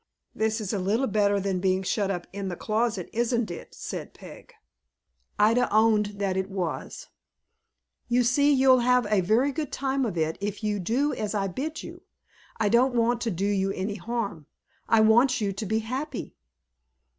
"This is a little better than being shut up in the closet, isn't it?" said Peg. Ida owned that it was. "You see you'll have a very good time of it, if you do as I bid you. I don't want to do you any harm. I want you to be happy."